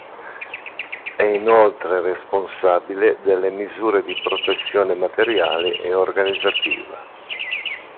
È inoltre responsabile delle misure di protezione materiale e organizzativa.